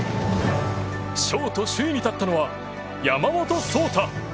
ショート首位に立ったのは山本草太。